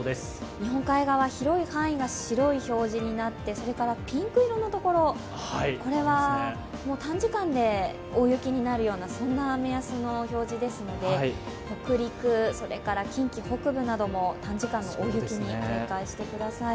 日本海側広い範囲が白い表示になって、ピンク色のところ、これは短時間で大雪になるような目安の表示ですので、北陸、近畿の北部なども短時間の大雪に警戒してください。